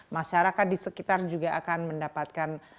masyarakat di sekitar juga akan mendapatkan